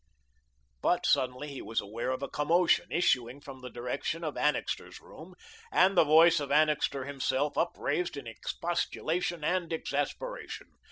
But suddenly he was aware of a commotion, issuing from the direction of Annixter's room, and the voice of Annixter himself upraised in expostulation and exasperation.